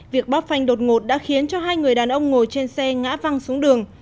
việc bóp phanh đột ngột đã khiến cho hai người đàn ông ngồi trên xe ngã văng xuống đường